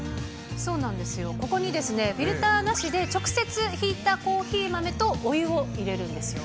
そうなんですよ、ここにフィルターなしで直接ひいたコーヒー豆とお湯を入れるんですよ。